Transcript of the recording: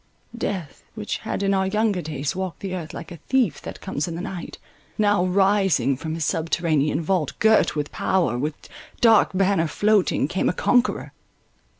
Death, which had in our younger days walked the earth like "a thief that comes in the night," now, rising from his subterranean vault, girt with power, with dark banner floating, came a conqueror.